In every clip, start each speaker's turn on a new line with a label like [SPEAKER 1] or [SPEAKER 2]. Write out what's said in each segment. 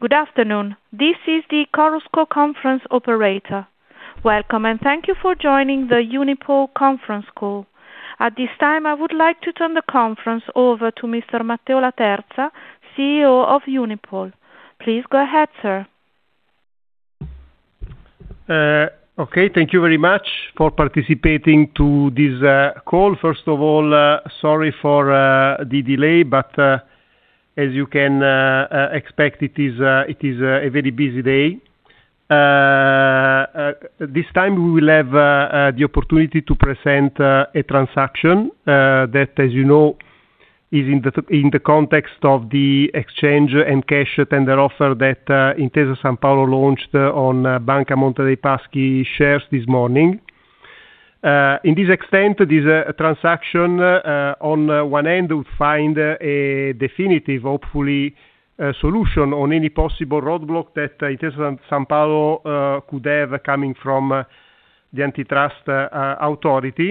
[SPEAKER 1] Good afternoon. This is the Chorus Call conference operator. Welcome, and thank you for joining the Unipol conference call. At this time, I would like to turn the conference over to Mr. Matteo Laterza, CEO of Unipol. Please go ahead, sir.
[SPEAKER 2] Okay. Thank you very much for participating to this call. First of all, sorry for the delay, but as you can expect, it is a very busy day. This time, we will have the opportunity to present a transaction that, as you know, is in the context of the exchange and cash tender offer that Intesa Sanpaolo launched on Banca Monte dei Paschi shares this morning. In this extent, this transaction, on one end, would find a definitive, hopefully, solution on any possible roadblock that Intesa Sanpaolo could have coming from the Antitrust Authority.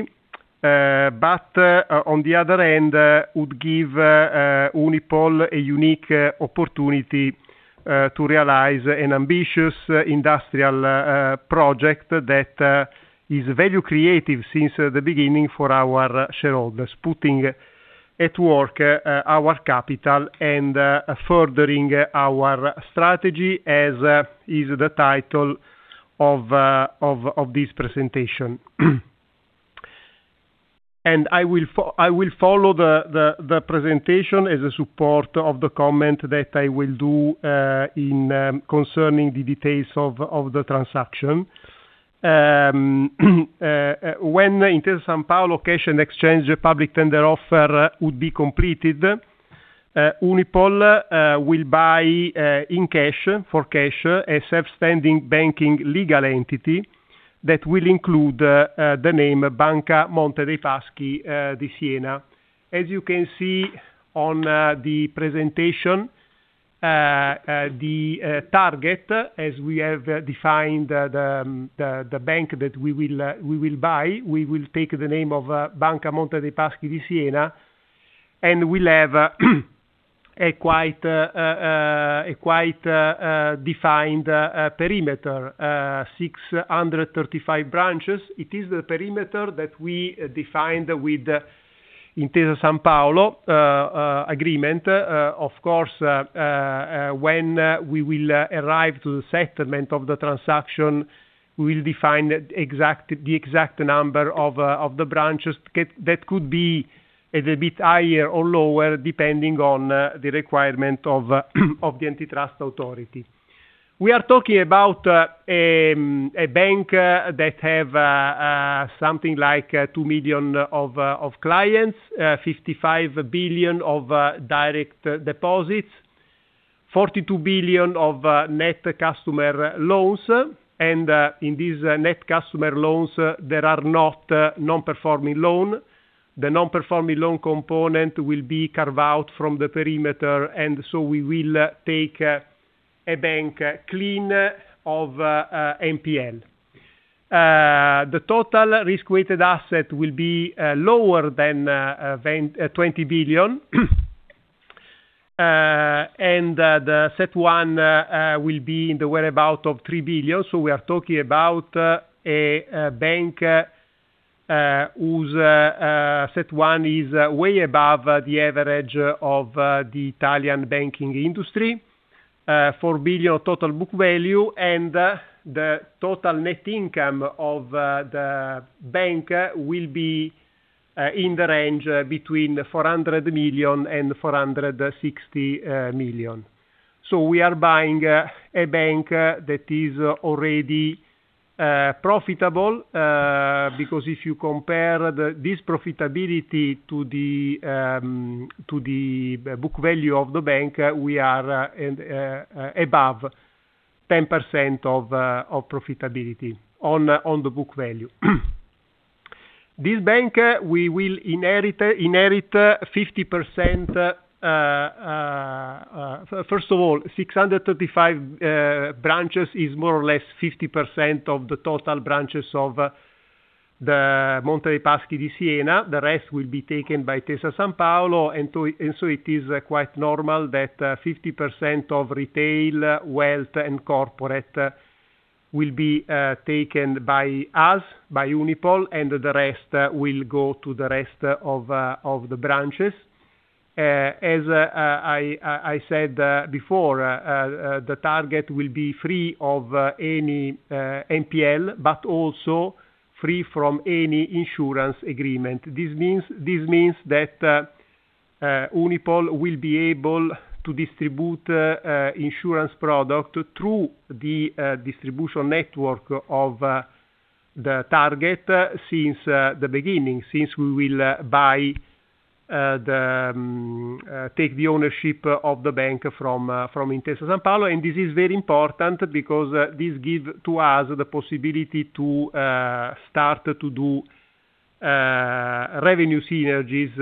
[SPEAKER 2] On the other end, would give Unipol a unique opportunity to realize an ambitious industrial project that is value creative since the beginning for our shareholders, putting at work our capital and furthering our strategy, as is the title of this presentation. I will follow the presentation as support of the comment that I will do concerning the details of the transaction. When Intesa Sanpaolo exchange public tender offer would be completed, Unipol will buy in cash, for cash, a self-standing banking legal entity that will include the name Banca Monte dei Paschi di Siena. As you can see on the presentation, the target, as we have defined the bank that we will buy, we will take the name of Banca Monte dei Paschi di Siena, and will have a quite defined perimeter, 635 branches. It is the perimeter that we defined with Intesa Sanpaolo agreement. Of course, when we will arrive to the settlement of the transaction, we will define the exact number of the branches. That could be a little bit higher or lower, depending on the requirement of the Antitrust Authority. We are talking about a bank that have something like two million of clients, 55 billion of direct deposits, 42 billion of net customer loans. In these net customer loans, there are not non-performing loan. The non-performing loan component will be carved out from the perimeter, we will take a bank clean of NPL. The total risk-weighted asset will be lower than EUR 20 billion. The CET1 will be in the whereabouts of 3 billion. We are talking about a bank whose CET1 is way above the average of the Italian banking industry. 4 billion total book value, the total net income of the bank will be in the range between 400 million and 460 million. We are buying a bank that is already profitable, because if you compare this profitability to the book value of the bank, we are above 10% of profitability on the book value. This bank, we will inherit 50%. First of all, 635 branches is more or less 50% of the total branches of the Monte dei Paschi di Siena. The rest will be taken by Intesa Sanpaolo. It is quite normal that 50% of retail, wealth, and corporate will be taken by us, by Unipol, and the rest will go to the rest of the branches. As I said before, the target will be free of any NPL, but also free from any insurance agreement. This means that Unipol will be able to distribute insurance product through the distribution network of the target since the beginning, since we will take the ownership of the bank from Intesa Sanpaolo. This is very important because this gives to us the possibility to start to do revenue synergies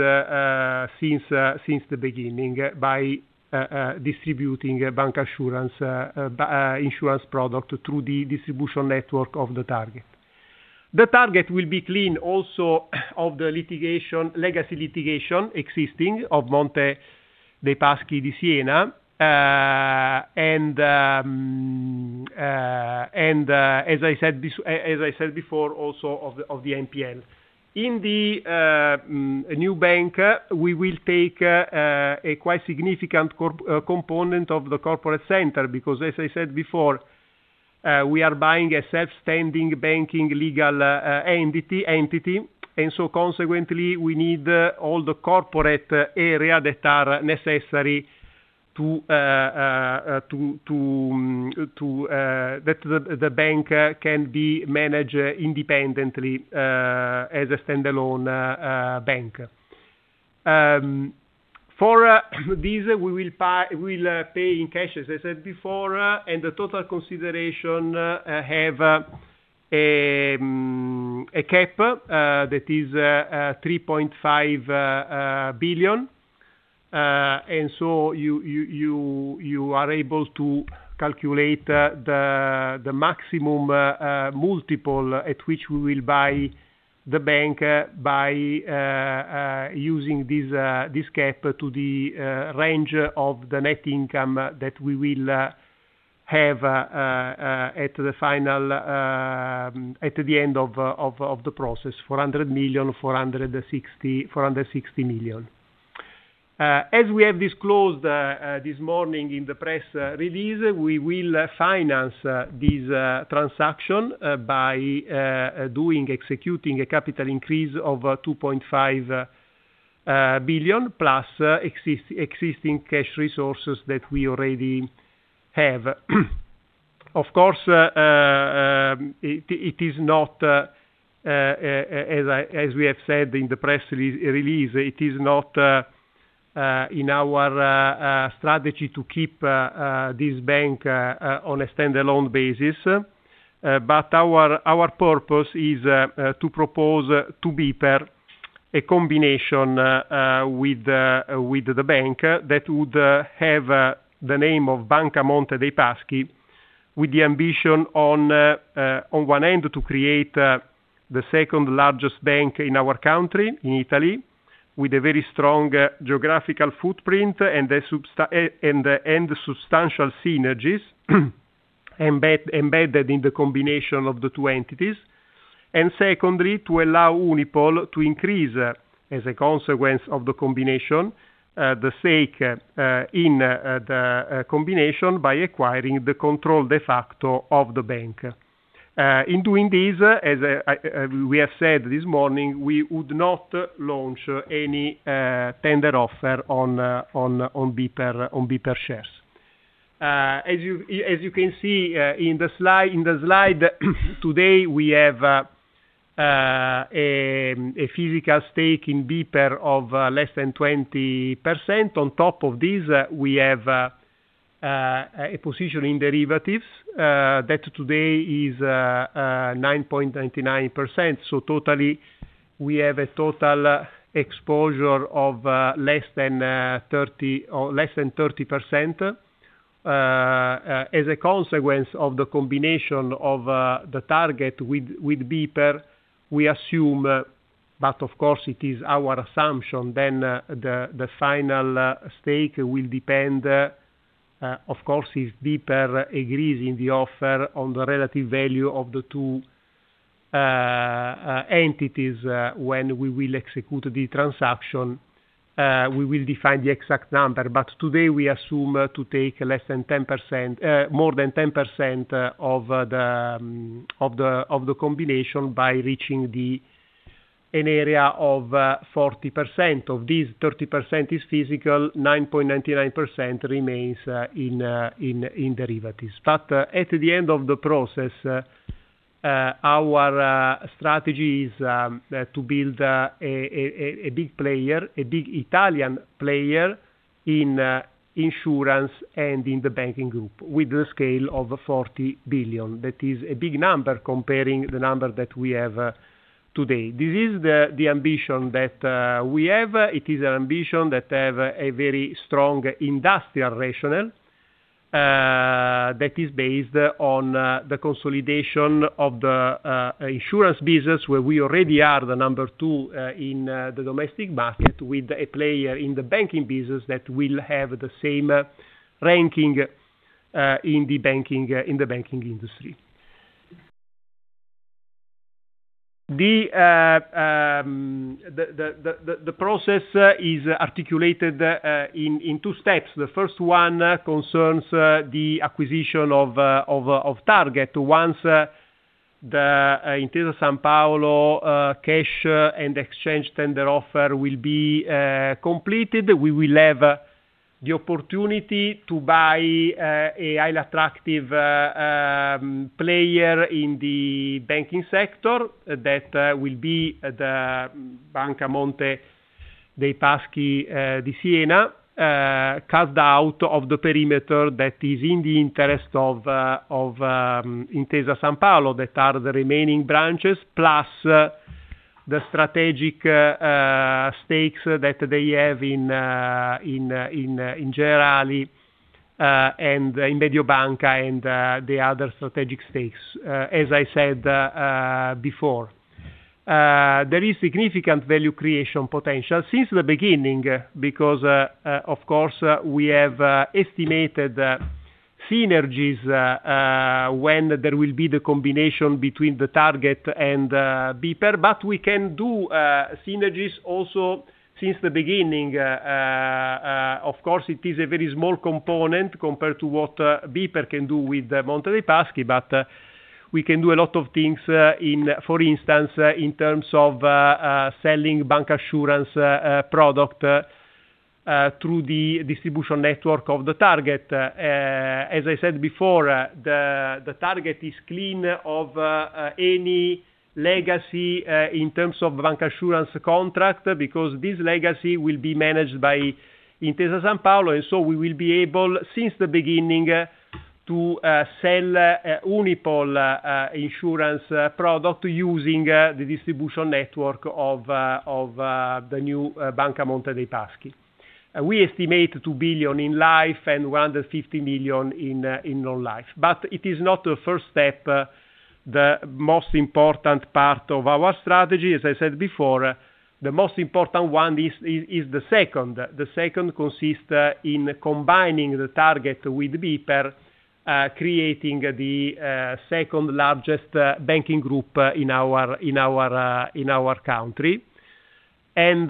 [SPEAKER 2] since the beginning by distributing bank insurance product through the distribution network of the target. The target will be clean also of the legacy litigation existing of Monte dei Paschi di Siena. As I said before, also of the NPL. In the new bank, we will take a quite significant component of the corporate center, because as I said before, we are buying a freestanding banking legal entity. Consequently, we need all the corporate area that are necessary that the bank can be managed independently as a standalone bank. For this, we will pay in cash, as I said before. The total consideration has a cap that is 3.5 billion. You are able to calculate the maximum multiple at which we will buy the bank by using this cap to the range of the net income that we will have at the end of the process, 400-460 million. As we have disclosed this morning in the press release, we will finance this transaction by executing a capital increase of 2.5 billion, plus existing cash resources that we already have. Of course, as we have said in the press release, it is not in our strategy to keep this bank on a standalone basis. Our purpose is to propose to BPER a combination with the bank that would have the name of Banca Monte dei Paschi, with the ambition on one end, to create the second-largest bank in our country, in Italy, with a very strong geographical footprint and substantial synergies embedded in the combination of the two entities. Secondly, to allow Unipol to increase, as a consequence of the combination, the stake in the combination by acquiring the de facto control of the bank. In doing this, as we have said this morning, we would not launch any tender offer on BPER shares. As you can see in the slide today, we have a physical stake in BPER of less than 20%. On top of this, we have a position in derivatives that today is 9.99%. Totally, we have a total exposure of less than 30%. A consequence of the combination of the target with BPER, we assume, but of course it is our assumption, the final stake will depend, of course, if BPER agrees in the offer on the relative value of the two entities, when we will execute the transaction, we will define the exact number. Today, we assume to take more than 10% of the combination by reaching an area of 40%. Of this, 30% is physical, 9.99% remains in derivatives. At the end of the process, our strategy is to build a big Italian player in insurance and in the banking group with a scale of 40 billion. That is a big number comparing the number that we have today. This is the ambition that we have. It is an ambition that have a very strong industrial rationale, that is based on the consolidation of the insurance business, where we already are the number two in the domestic market with a player in the banking business that will have the same ranking in the banking industry. The process is articulated in two steps. The first one concerns the acquisition of target. Once the Intesa Sanpaolo cash and exchange tender offer will be completed, we will have the opportunity to buy a high attractive player in the banking sector that will be the Banca Monte dei Paschi di Siena, carved out of the perimeter that is in the interest of Intesa Sanpaolo, that are the remaining branches, plus the strategic stakes that they have in Generali and in Mediobanca, and the other strategic stakes, as I said before. There is significant value creation potential since the beginning, because, of course, we have estimated synergies when there will be the combination between the target and BPER. We can do synergies also since the beginning. Of course, it is a very small component compared to what BPER can do with Monte dei Paschi. We can do a lot of things, for instance, in terms of selling bancassurance product through the distribution network of the target. As I said before, the target is clean of any legacy in terms of bancassurance contract, because this legacy will be managed by Intesa Sanpaolo. We will be able, since the beginning, to sell Unipol insurance product using the distribution network of the new Banca Monte dei Paschi. We estimate 2 billion in life and 150 million in non-life. It is not the first step, the most important part of our strategy. As I said before, the most important one is the second. The second consists in combining the target with BPER, creating the second-largest banking group in our country. As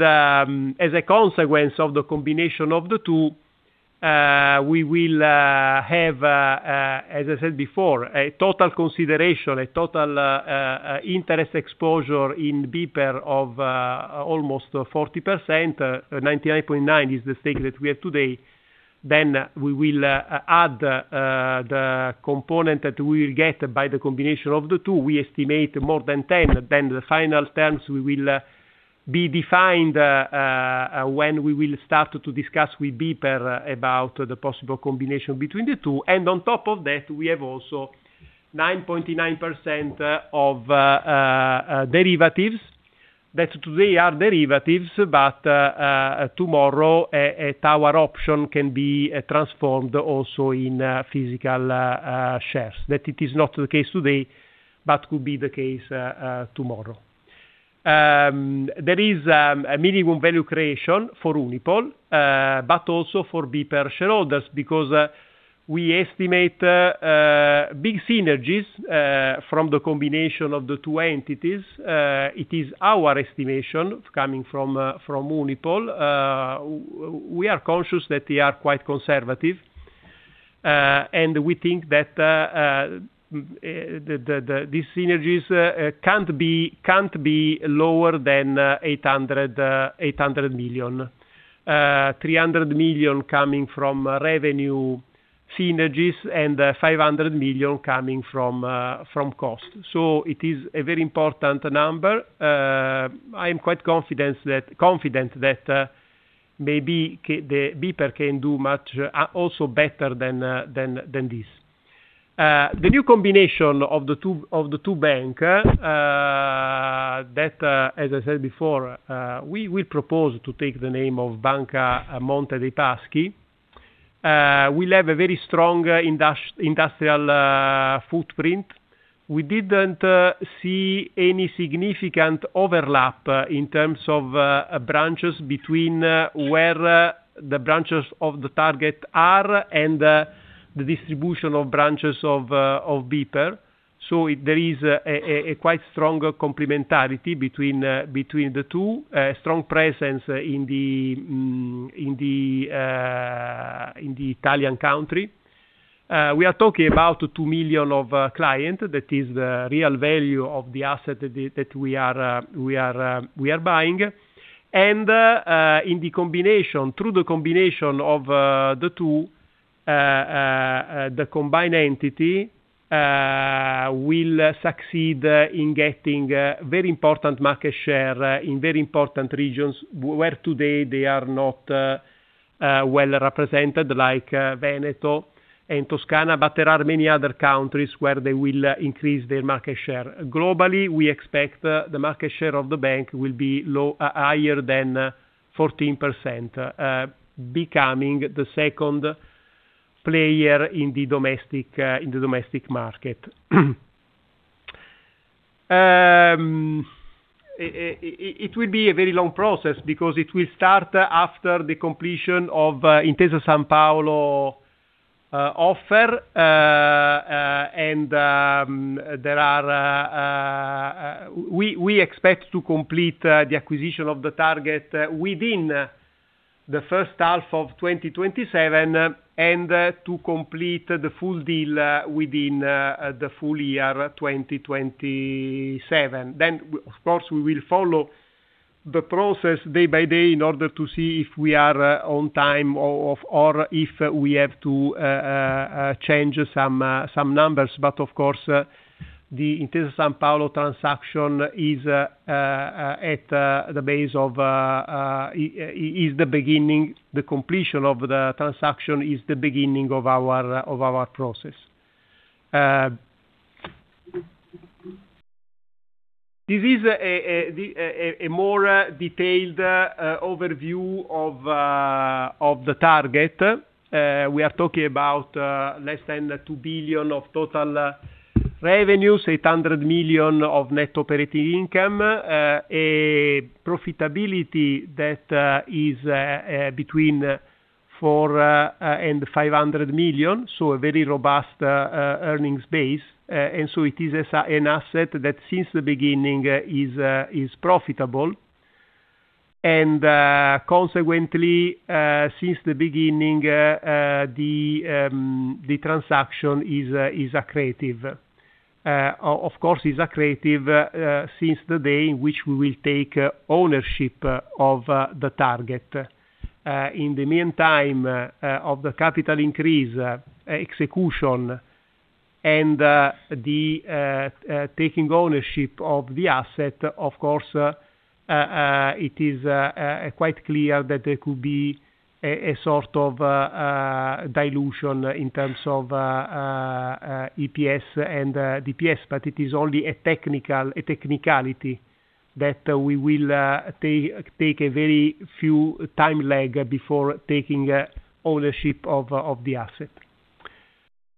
[SPEAKER 2] a consequence of the combination of the two, we will have, as I said before, a total consideration, a total interest exposure in BPER of almost 40%. 99.9% is the stake that we have today. We will add the component that we will get by the combination of the two. We estimate more than 10%. The final terms will be defined when we will start to discuss with BPER about the possible combination between the two. On top of that, we have also 9.9% of derivatives. That today are derivatives, but tomorrow, a total return option can be transformed also in physical shares. It is not the case today but could be the case tomorrow. There is a minimum value creation for Unipol, but also for BPER shareholders, because we estimate big synergies from the combination of the two entities. It is our estimation, coming from Unipol. We are conscious that they are quite conservative. We think that these synergies can't be lower than 800 million. 300 million coming from revenue synergies and 500 million coming from cost. It is a very important number. I am quite confident that maybe BPER can do much also better than this. The new combination of the two banks, that, as I said before, we will propose to take the name of Banca Monte dei Paschi. We'll have a very strong industrial footprint. We didn't see any significant overlap in terms of branches between where the branches of the target are and the distribution of branches of BPER. There is a quite strong complementarity between the two. A strong presence in the Italian country. We are talking about two million clients. That is the real value of the asset that we are buying. Through the combination of the two, the combined entity will succeed in getting very important market share in very important regions where today they are not well represented, like Veneto and Toscana. There are many other countries where they will increase their market share. Globally, we expect the market share of the bank will be higher than 14%, becoming the second player in the domestic market. It will be a very long process because it will start after the completion of Intesa Sanpaolo offer. We expect to complete the acquisition of the target within the first half of 2027, and to complete the full deal within the full year 2027. Of course, we will follow the process day by day in order to see if we are on time or if we have to change some numbers. Of course, the Intesa Sanpaolo transaction is the beginning. The completion of the transaction is the beginning of our process. This is a more detailed overview of the target. We are talking about less than 2 billion of total revenues, 800 million of net operating income. A profitability that is between 400 million and 500 million, a very robust earnings base. It is an asset that since the beginning is profitable. Consequently, since the beginning, the transaction is accretive. Of course, it's accretive since the day in which we will take ownership of the target. In the meantime, of the capital increase, execution, and the taking ownership of the asset, of course, it is quite clear that there could be a sort of dilution in terms of EPS and DPS. It is only a technicality that we will take a very few time lag before taking ownership of the asset.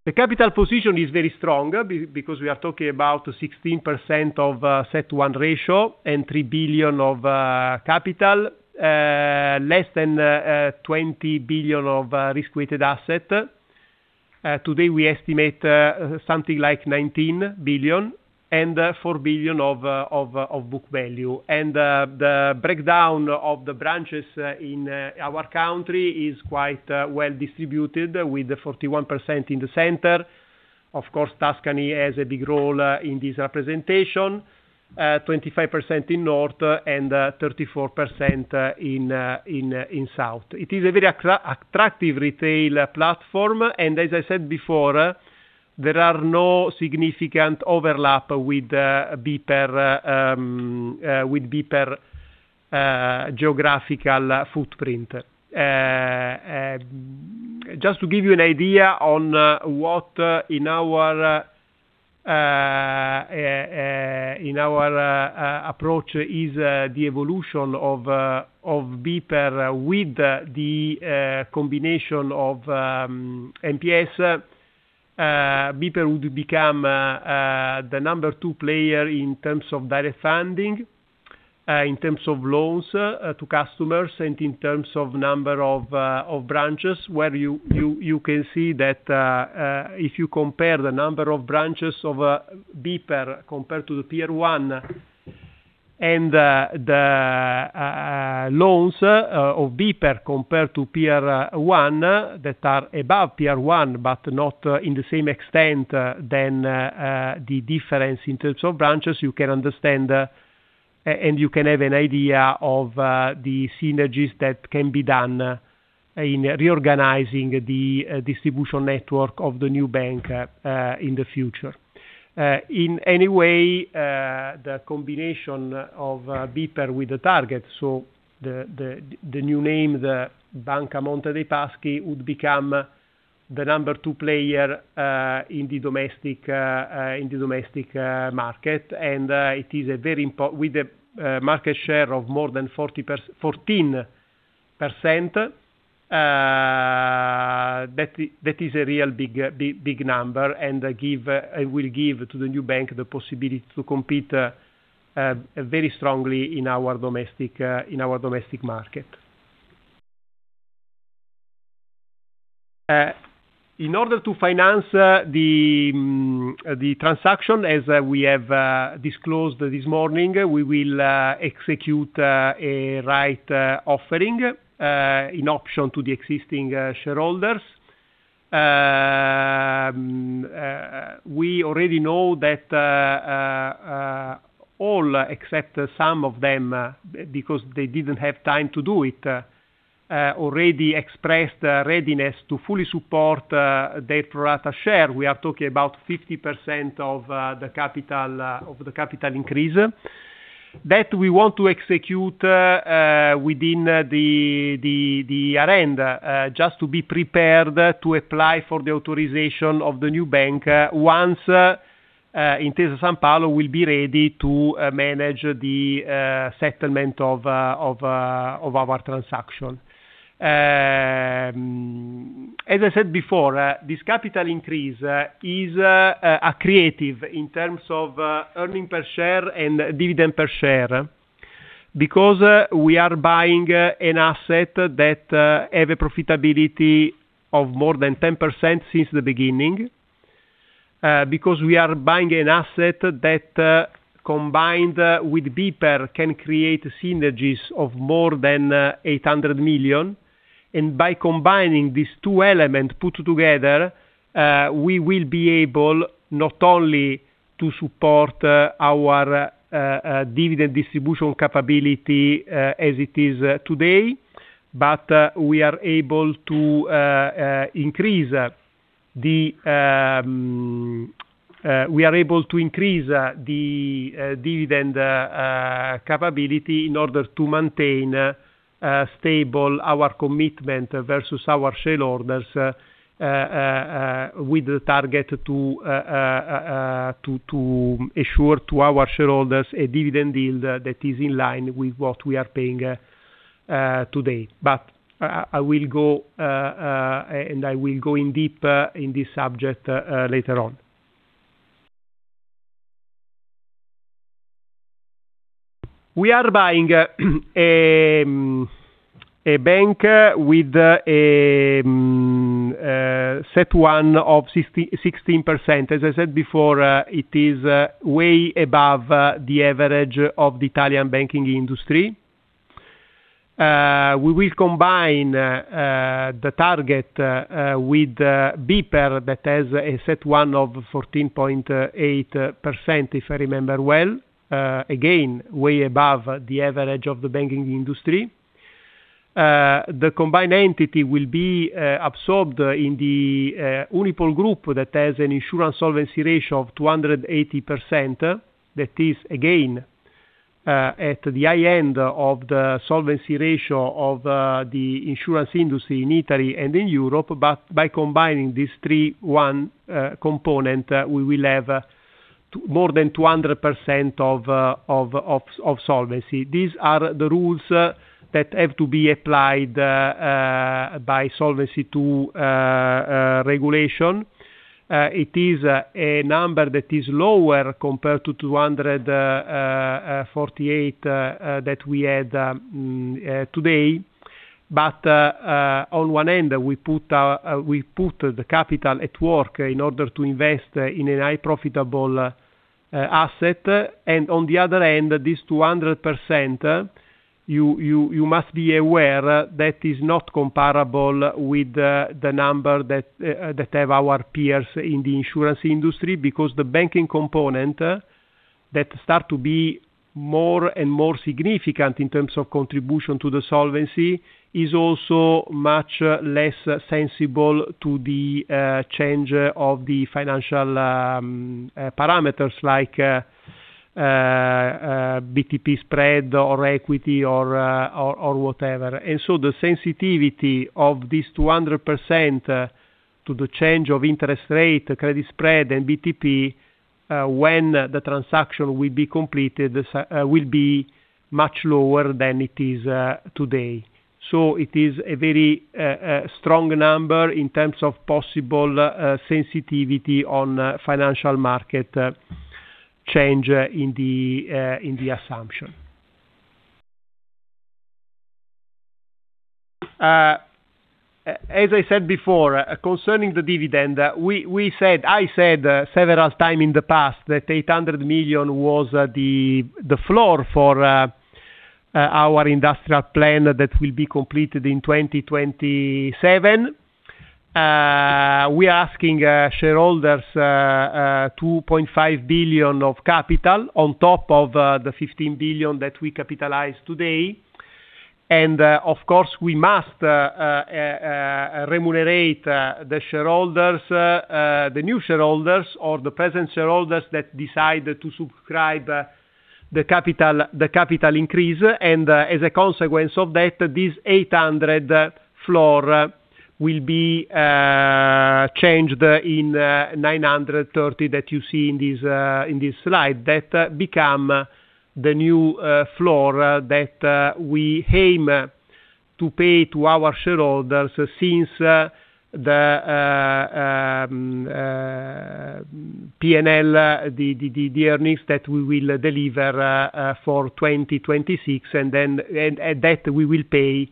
[SPEAKER 2] The capital position is very strong because we are talking about 16% of CET1 ratio and 3 billion of capital. Less than 20 billion of risk-weighted assets. Today, we estimate something like 19 billion and 4 billion of book value. The breakdown of the branches in our country is quite well-distributed, with 41% in the center. Of course, Tuscany has a big role in this representation. 25% in north and 34% in south. It is a very attractive retail platform. As I said before, there are no significant overlap with BPER geographical footprint. Just to give you an idea on what in our approach is the evolution of BPER with the combination of MPS. BPER would become the number two player in terms of direct funding, in terms of loans to customers, and in terms of number of branches, where you can see that if you compare the number of branches of BPER compared to the peer 1 and the loans of BPER compared to peer 1, that are above peer 1, but not in the same extent than the difference in terms of branches, you can understand, and you can have an idea of the synergies that can be done in reorganizing the distribution network of the new bank in the future. In any way, the combination of BPER with the target, so the new name, the Banca Monte dei Paschi, would become the number two player in the domestic market. With a market share of more than 14%, that is a real big number, and will give to the new bank the possibility to compete very strongly in our domestic market. In order to finance the transaction, as we have disclosed this morning, we will execute a rights offering, an option to the existing shareholders. We already know that all except some of them, because they didn't have time to do it, already expressed readiness to fully support their pro rata share. We are talking about 50% of the capital increase. That we want to execute within the year-end, just to be prepared to apply for the authorization of the new bank once Intesa Sanpaolo will be ready to manage the settlement of our transaction. As I said before, this capital increase is accretive in terms of earning per share and dividend per share because we are buying an asset that have a profitability of more than 10% since the beginning. Because we are buying an asset that, combined with BPER, can create synergies of more than 800 million. By combining these two elements put together, we will be able not only to support our dividend distribution capability as it is today, but we are able to increase the dividend capability in order to maintain stable our commitment versus our shareholders, with the target to ensure to our shareholders a dividend deal that is in line with what we are paying today. I will go in deep in this subject later on. We are buying a bank with a CET1 of 16%. As I said before, it is way above the average of the Italian banking industry. We will combine the Target with BPER that has a CET1 of 14.8%, if I remember well. Again, way above the average of the banking industry. The combined entity will be absorbed in the Unipol Gruppo that has an insurance solvency ratio of 280%. That is, again, at the high end of the solvency ratio of the insurance industry in Italy and in Europe. By combining these three, one component, we will have more than 200% of solvency. These are the rules that have to be applied by Solvency II regulation. It is a number that is lower compared to 248 that we had today. On one end, we put the capital at work in order to invest in a high profitable asset. On the other end, this 200%, you must be aware, that is not comparable with the number that have our peers in the insurance industry, because the banking component that start to be more and more significant in terms of contribution to the solvency, is also much less sensible to the change of the financial parameters like BTP spread, or equity or whatever. The sensitivity of this 200% to the change of interest rate, credit spread, and BTP, when the transaction will be completed, will be much lower than it is today. It is a very strong number in terms of possible sensitivity on financial market change in the assumption. As I said before, concerning the dividend, I said several time in the past that 800 million was the floor for our industrial plan that will be completed in 2027. We are asking shareholders 2.5 billion of capital on top of the 15 billion that we capitalize today. Of course, we must remunerate the shareholders, the new shareholders or the present shareholders that decide to subscribe the capital increase. As a consequence of that, this 800 floor will be changed in 930 that you see in this slide. That become the new floor that we aim to pay to our shareholders since the P&L, the earnings that we will deliver for 2026, and that we will pay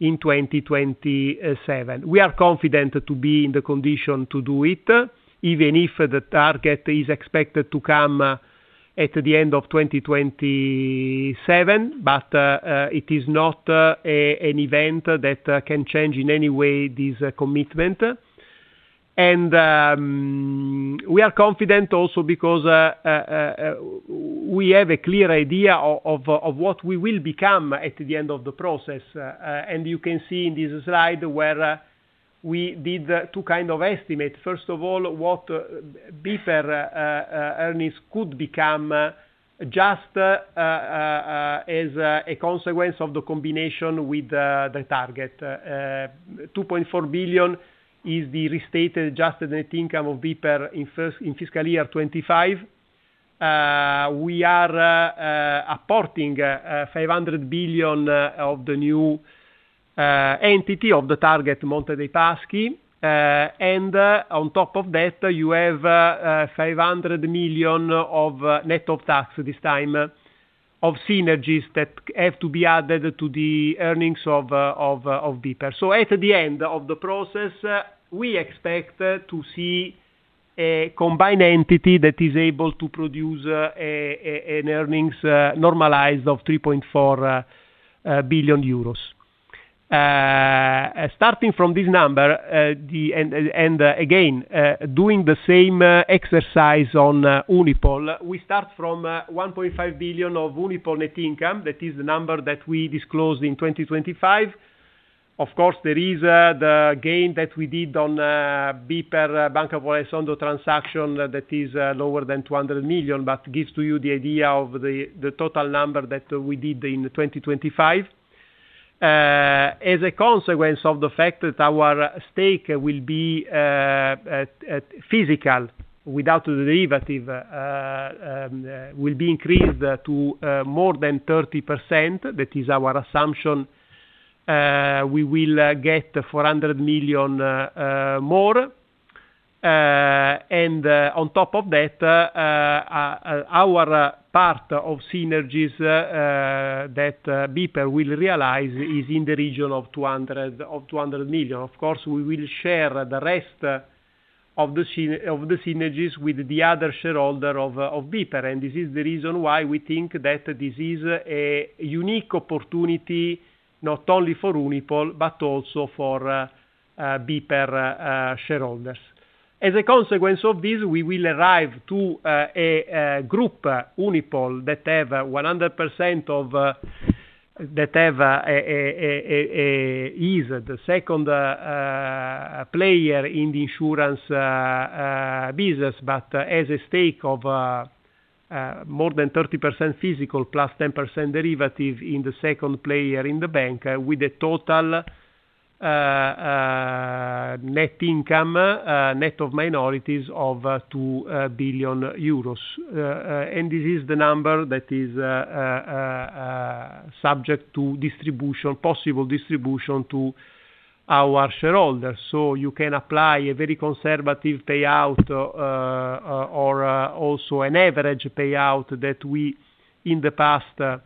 [SPEAKER 2] in 2027. We are confident to be in the condition to do it, even if the target is expected to come at the end of 2027. It is not an event that can change in any way this commitment. We are confident also because we have a clear idea of what we will become at the end of the process. You can see in this slide where we did two kind of estimate. First of all, what BPER earnings could become just as a consequence of the combination with the Target. 2.4 billion is the restated adjusted net income of BPER in fiscal year 2025. We are apporting 500 billion of the new entity of the Target Monte dei Paschi. On top of that, you have 500 million of net of tax this time, of synergies that have to be added to the earnings of BPER. At the end of the process, we expect to see a combined entity that is able to produce an earnings normalized of EUR 3.4 billion. Again, doing the same exercise on Unipol, we start from 1.5 billion of Unipol net income. That is the number that we disclosed in 2025. Of course, there is the gain that we did on BPER Banca di Jesolo transaction that is lower than 200 million, but gives to you the idea of the total number that we did in 2025. As a consequence of the fact that our stake will be at physical without derivative, will be increased to more than 30%, that is our assumption. We will get 400 million more. On top of that, our part of synergies that BPER will realize is in the region of 200 million. We will share the rest of the synergies with the other shareholder of BPER. This is the reason why we think that this is a unique opportunity, not only for Unipol, but also for BPER shareholders. As a consequence of this, we will arrive to a group Unipol that is the second player in the insurance business but has a stake of more than 30% physical plus 10% derivative in the second player in the bank with a total net income, net of minorities of 2 billion euros. This is the number that is subject to possible distribution to our shareholders. You can apply a very conservative payout, or also an average payout that we in the past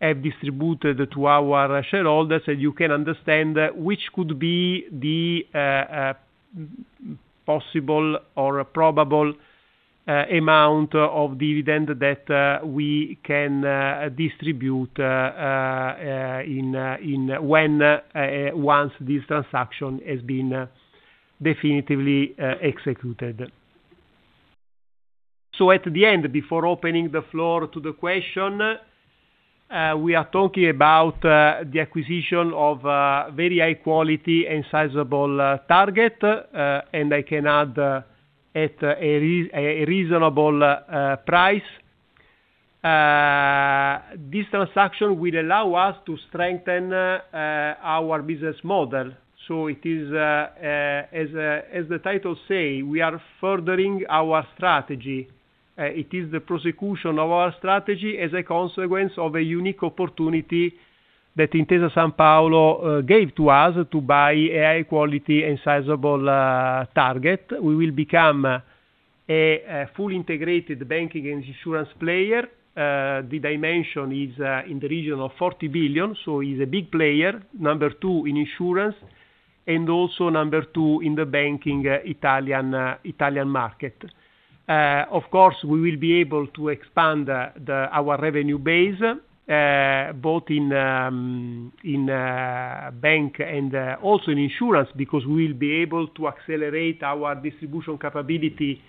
[SPEAKER 2] have distributed to our shareholders. You can understand which could be the possible or probable amount of dividend that we can distribute once this transaction has been definitively executed. At the end, before opening the floor to the question, we are talking about the acquisition of a very high quality and sizable target, and I can add at a reasonable price. This transaction will allow us to strengthen our business model. As the title say, we are furthering our strategy. It is the prosecution of our strategy as a consequence of a unique opportunity that Intesa Sanpaolo gave to us to buy a high quality and sizable target. We will become a fully integrated banking and insurance player. The dimension is in the region of 40 billion, is a big player. Number two in insurance, and also number two in the banking Italian market. We will be able to expand our revenue base, both in bank and also in insurance, because we'll be able to accelerate our distribution capability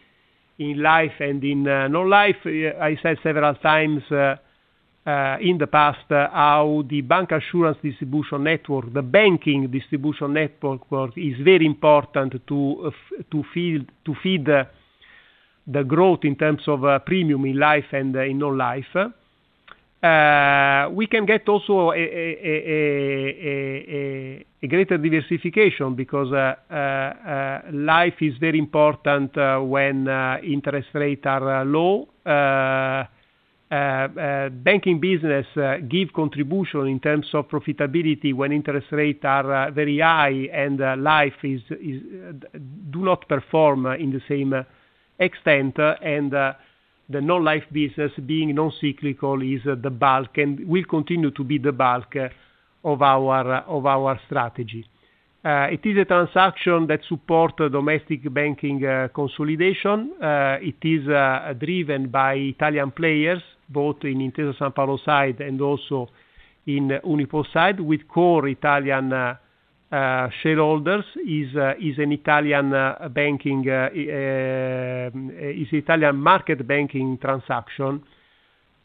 [SPEAKER 2] in life and in non-life. I said several times, in the past, how the bancassurance distribution network, the banking distribution network is very important to feed the growth in terms of premium in life and in non-life. We can get also a greater diversification because life is very important when interest rate are low. Banking business give contribution in terms of profitability when interest rate are very high, life do not perform in the same extent, the non-life business, being non-cyclical, is the bulk, and will continue to be the bulk of our strategy. It is a transaction that support domestic banking consolidation. It is driven by Italian players, both in Intesa Sanpaolo side and also in Unipol side with core Italian shareholders. It is an Italian market banking transaction.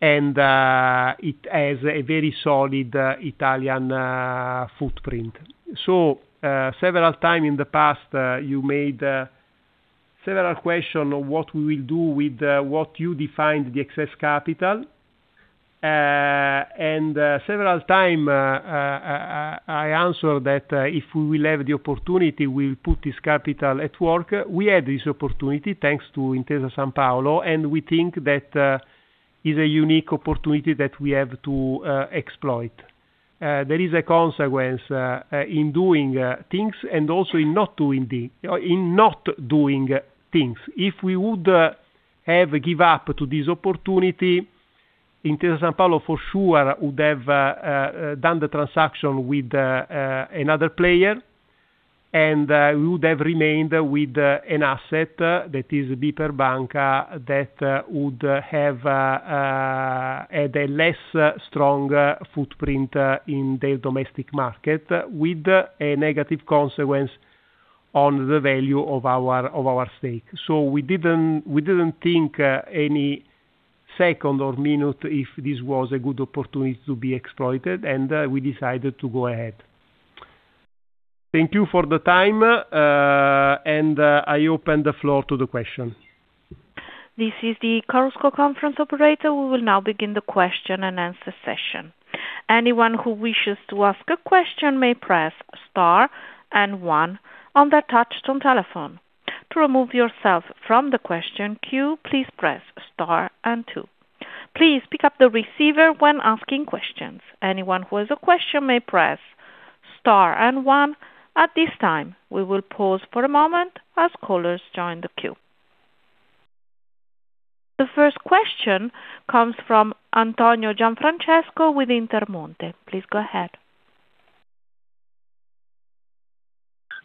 [SPEAKER 2] It has a very solid Italian footprint. Several time in the past, you made several question on what we will do with what you defined the excess capital. Several time, I answer that if we will have the opportunity, we will put this capital at work. We had this opportunity, thanks to Intesa Sanpaolo, we think that is a unique opportunity that we have to exploit. There is a consequence in doing things and also in not doing things. If we would have give up to this opportunity, Intesa Sanpaolo for sure would have done the transaction with another player, and we would have remained with an asset that is BPER Banca, that would have had a less strong footprint in the domestic market, with a negative consequence on the value of our stake. We didn't think any second or minute if this was a good opportunity to be exploited, and we decided to go ahead. Thank you for the time, and I open the floor to the question.
[SPEAKER 1] This is the Chorus Call conference operator. We will now begin the question-and-answer session. Anyone who wishes to ask a question may press star and one on their touch-tone telephone. To remove yourself from the question queue, please press star and two. Please pick up the receiver when asking questions. Anyone who has a question may press star and one at this time. We will pause for a moment as callers join the queue. The first question comes from Antonio Gianfrancesco with Intermonte. Please go ahead.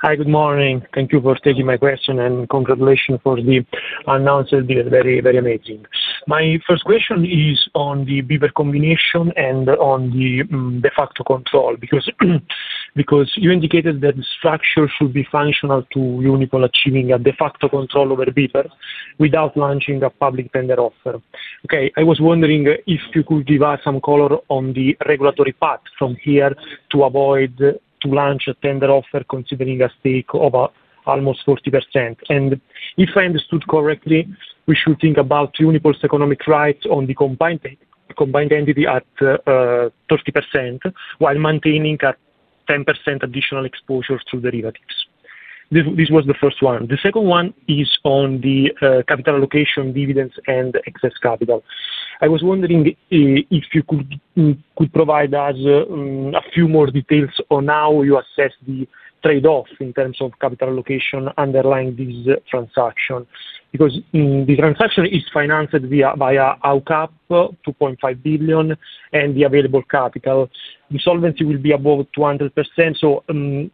[SPEAKER 3] Hi, good morning. Thank you for taking my question, and congratulations for the announcement, very amazing. My first question is on the BPER combination and on the de facto control, because you indicated that the structure should be functional to Unipol achieving a de facto control over BPER without launching a public tender offer. Okay. I was wondering if you could give us some color on the regulatory path from here to avoid to launch a tender offer considering a stake of almost 40%. If I understood correctly, we should think about Unipol's economic rights on the combined entity at 30%, while maintaining a 10% additional exposure to derivatives. This was the first one. The second one is on the capital allocation dividends and excess capital. I was wondering if you could provide us a few more details on how you assess the trade-off in terms of capital allocation underlying this transaction. The transaction is financed via buy out cap 2.5 billion and the available capital. The solvency will be above 200%.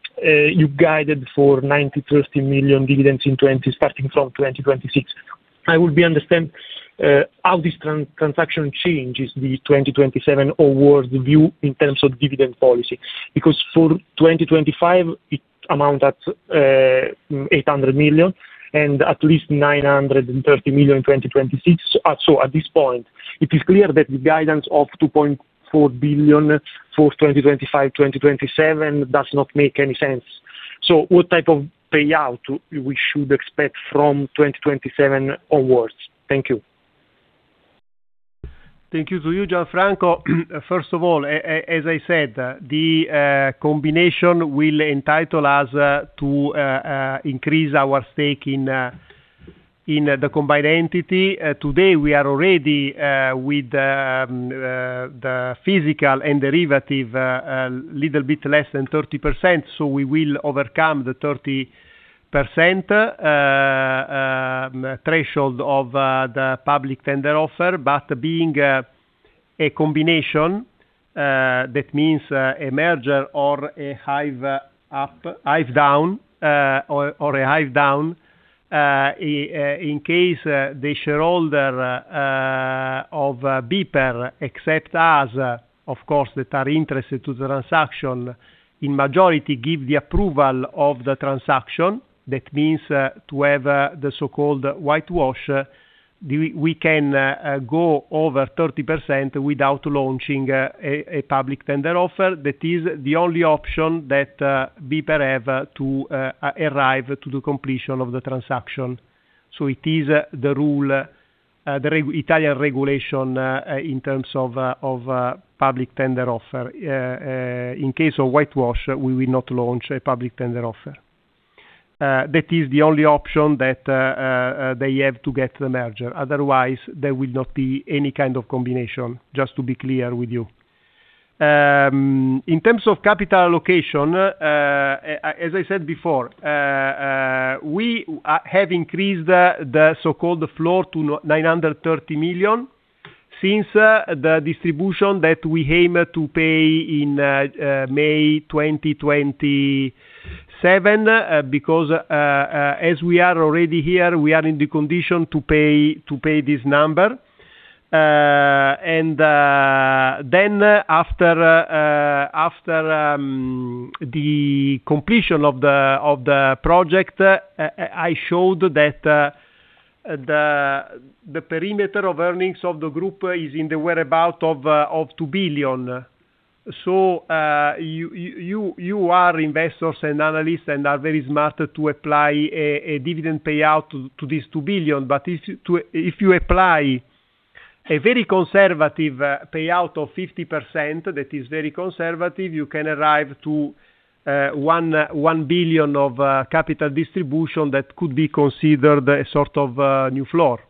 [SPEAKER 3] You guided for 930 million dividends starting from 2026. I would be understand how this transaction changes the 2027 onwards view in terms of dividend policy. For 2025, it amounts at 800 million and at least 930 million 2026. At this point, it is clear that the guidance of 2.4 billion for 2025, 2027 does not make any sense. What type of payout we should expect from 2027 onwards? Thank you.
[SPEAKER 2] Thank you to you, Gianfrancesco. The combination will entitle us to increase our stake in the combined entity. Today, we are already with the physical and derivative a little bit less than 30%, we will overcome the 30% threshold of the public tender offer. Being a combination, that means a merger or a hive-down. In case the shareholder of BPER accept us, of course, that are interested to the transaction, in majority give the approval of the transaction. That means to have the so-called whitewash. We can go over 30% without launching a public tender offer. That is the only option that BPER have to arrive to the completion of the transaction. It is the Italian regulation, in terms of public tender offer. In case of whitewash, we will not launch a public tender offer. That is the only option that they have to get the merger. Otherwise, there will not be any kind of combination, just to be clear with you. In terms of capital allocation, as I said before, we have increased the so-called floor to 930 million since the distribution that we aim to pay in May 2027, as we are already here, we are in the condition to pay this number. After the completion of the project, I showed that the perimeter of earnings of the group is in the whereabouts of 2 billion. You are investors and analysts and are very smart to apply a dividend payout to this 2 billion. If you apply a very conservative payout of 50%, that is very conservative, you can arrive to 1 billion of capital distribution that could be considered a sort of a new floor.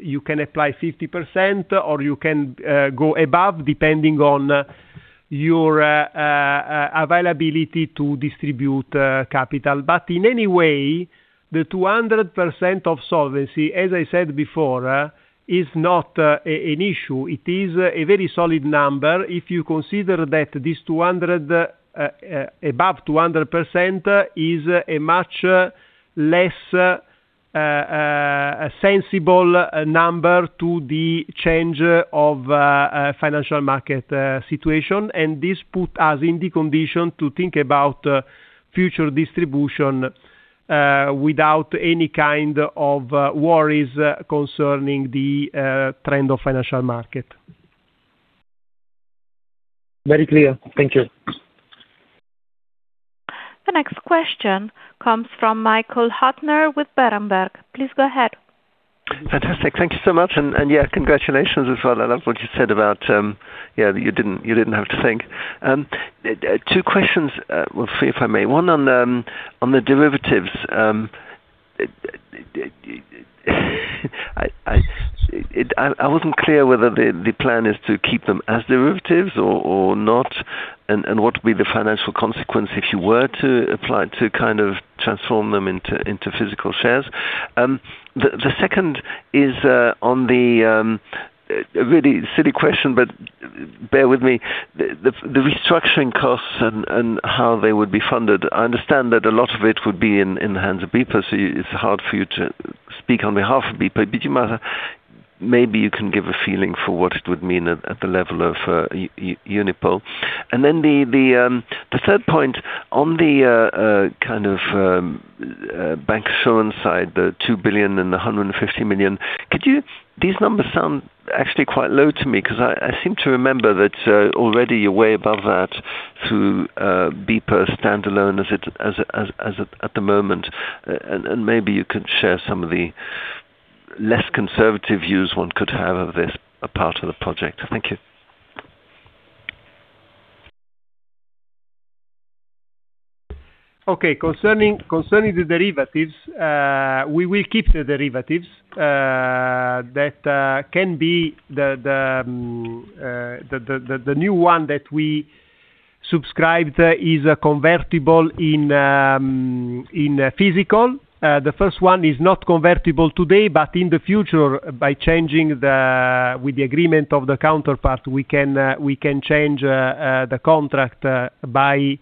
[SPEAKER 2] You can apply 50% or you can go above depending on your availability to distribute capital. In any way, the 200% of solvency, as I said before, is not an issue. It is a very solid number if you consider that above 200% is a much less sensible number to the change of financial market situation. This put us in the condition to think about future distribution without any kind of worries concerning the trend of financial market.
[SPEAKER 3] Very clear. Thank you.
[SPEAKER 1] The next question comes from Michael Huttner with Berenberg. Please go ahead.
[SPEAKER 4] Fantastic. Thank you so much. Yeah, congratulations as well. I love what you said about, you didn't have to think. Two questions for you, if I may. One on the derivatives. I wasn't clear whether the plan is to keep them as derivatives or not, and what would be the financial consequence if you were to apply to transform them into physical shares. The second is a really silly question, but bear with me. The restructuring costs and how they would be funded. I understand that a lot of it would be in the hands of BPER, so it's hard for you to speak on behalf of BPER. Maybe you can give a feeling for what it would mean at the level of Unipol. Then the third point on the bancassurance side, the 2 billion and 150 million. These numbers sound actually quite low to me, because I seem to remember that already you are way above that through BPER standalone as at the moment. Maybe you can share some of the less conservative views one could have of this part of the project. Thank you.
[SPEAKER 2] Okay. Concerning the derivatives, we will keep the derivatives. The new one that we subscribed is convertible in physical. The first one is not convertible today, but in the future, with the agreement of the counterpart, we can change the contract by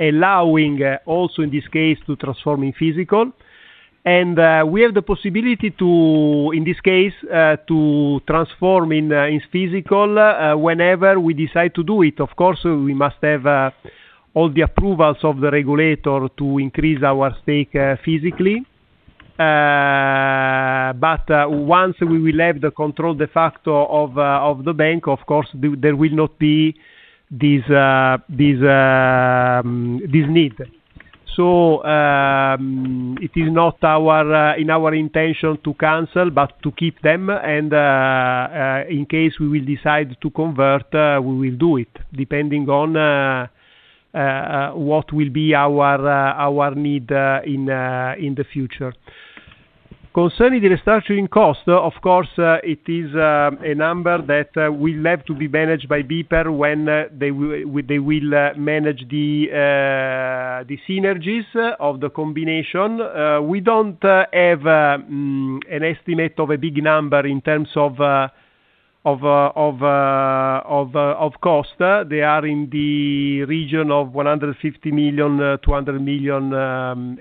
[SPEAKER 2] allowing also in this case to transform in physical. We have the possibility to, in this case, transform into physical whenever we decide to do it. Of course, we must have all the approvals of the regulator to increase our stake physically. Once we will have the de facto control of the bank, of course, there will not be this need. It is not in our intention to cancel, but to keep them, and in case we will decide to convert, we will do it, depending on what will be our need in the future. Concerning the restructuring cost, of course, it is a number that will have to be managed by BPER when they will manage the synergies of the combination. We don't have an estimate of a big number in terms of cost. They are in the region of 150 million, 200 million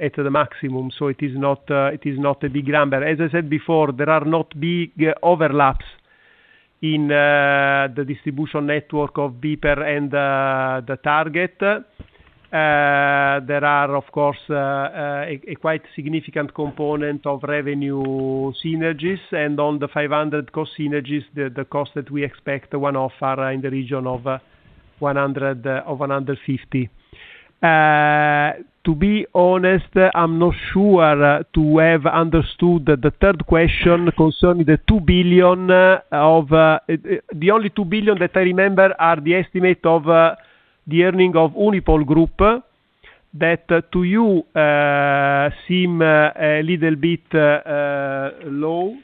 [SPEAKER 2] at the maximum, so it is not a big number. As I said before, there are not big overlaps in the distribution network of BPER and the target. There are, of course, a quite significant component of revenue synergies, and on the 500 cost synergies, the cost that we expect one-off are in the region of 150. To be honest, I'm not sure to have understood the third question concerning the 2 billion. The only 2 billion that I remember are the estimate of the earning of Unipol Gruppo that to you seem a little bit low.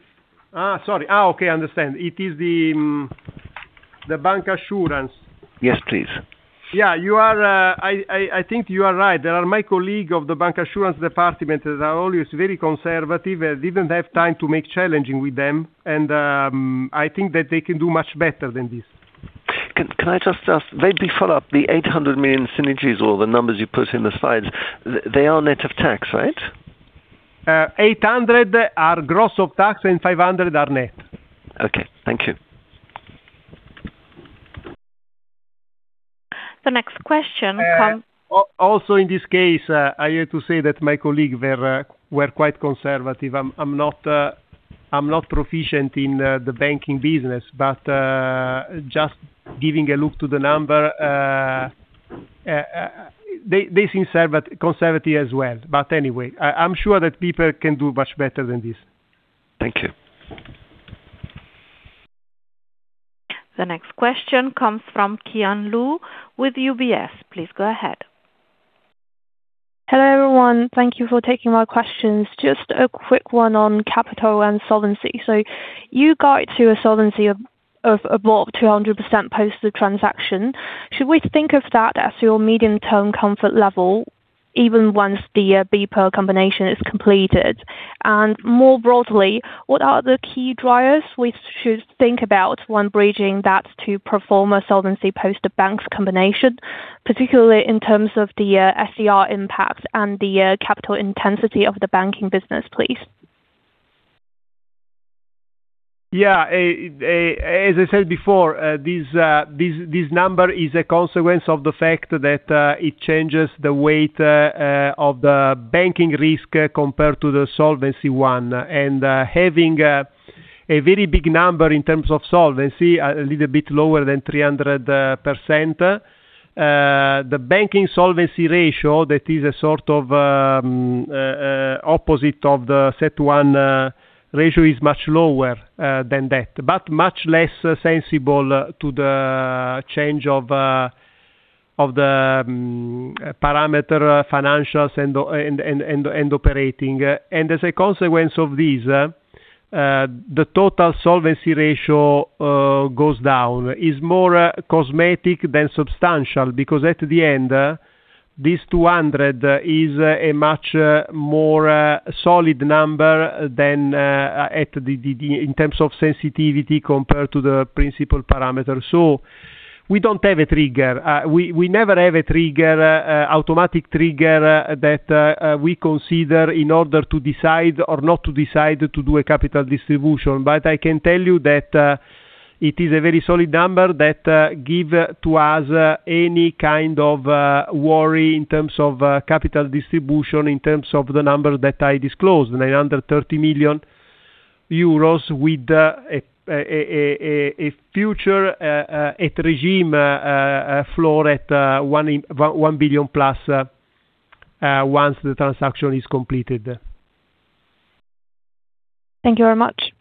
[SPEAKER 2] Sorry. Okay, I understand. It is the bancassurance.
[SPEAKER 4] Yes, please.
[SPEAKER 2] Yeah. I think you are right. There are my colleague of the bancassurance department that are always very conservative, didn't have time to make challenging with them, I think that they can do much better than this.
[SPEAKER 4] Can I just ask, maybe follow up the 800 million synergies or the numbers you put in the slides, they are net of tax, right?
[SPEAKER 2] 800 are gross of tax, and 500 are net.
[SPEAKER 4] Okay. Thank you.
[SPEAKER 1] The next question comes
[SPEAKER 2] In this case, I have to say that my colleague were quite conservative. I'm not proficient in the banking business, but just giving a look to the number, they seem conservative as well. Anyway, I'm sure that BPER can do much better than this.
[SPEAKER 4] Thank you.
[SPEAKER 1] The next question comes from Qian Lu with UBS. Please go ahead.
[SPEAKER 5] Hello, everyone. Thank you for taking my questions. Just a quick one on capital and solvency. You guide to a solvency of above 200% post the transaction. Should we think of that as your medium-term comfort level even once the BPER combination is completed? More broadly, what are the key drivers we should think about when bridging that to performer solvency post the bank's combination, particularly in terms of the SCR impact and the capital intensity of the banking business, please?
[SPEAKER 2] As I said before, this number is a consequence of the fact that it changes the weight of the banking risk compared to the solvency one. Having a very big number in terms of solvency, a little bit lower than 300%. The banking solvency ratio, that is a sort of opposite of the CET1 ratio, is much lower than that, but much less sensible to the change of the parameter financials and operating. As a consequence of this, the total solvency ratio goes down. It's more cosmetic than substantial because at the end, this 200 is a much more solid number in terms of sensitivity compared to the principal parameter. We don't have a trigger. We never have an automatic trigger that we consider in order to decide or not to decide to do a capital distribution. I can tell you that it is a very solid number that give to us any kind of worry in terms of capital distribution, in terms of the number that I disclosed, 930 million euros with a future at regime floor at 1 billion-plus once the transaction is completed.
[SPEAKER 1] Thank you very much.